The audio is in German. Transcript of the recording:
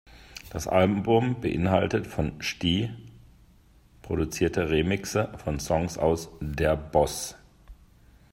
Das Album beinhaltet von Sti produzierte Remixe von Songs aus "Der Bozz".